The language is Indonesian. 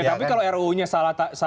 tapi kalau ruu nya salah